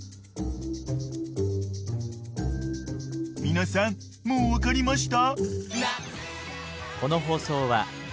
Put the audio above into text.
［皆さんもう分かりました？］